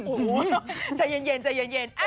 โอ้โหใจเย็น